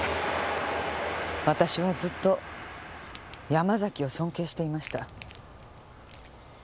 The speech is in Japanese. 私はずっと山崎を尊敬していました。